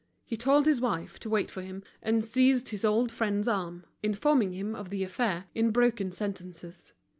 He told his wife to wait for him, and seized his old friend's arm, informing him of the affair, in broken sentences.